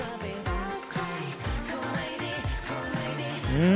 うん！